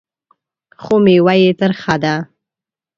خو مېوه یې ترخه ده .